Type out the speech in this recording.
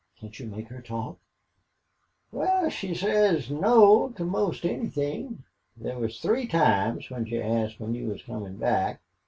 "Can't you make her talk?" "Wal, she'll say no to 'most anythin'. There was three times she asked when you was comin' back.